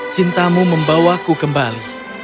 cintamu membawaku kembali